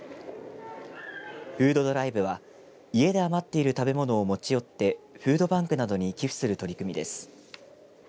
フードドライブは家で余っている食べ物を持ち寄ってフードバンクなどに寄付する取り組みです。